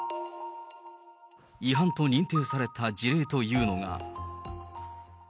違反と認定された事例というのが。